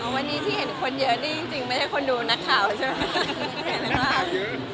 วันนี้ที่เห็นคนเยอะนี่จริงไม่ใช่คนดูนักข่าวใช่ไหม